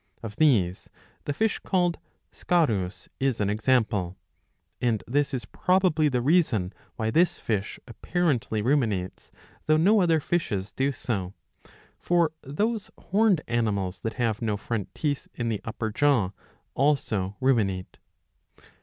Of these the fish called Scarus is an example. And this is^^ probably the reason why this fish apparently ruminates, though no other fishes do so. For those horned animals that have no front teeth in the upper jaw also ruminate.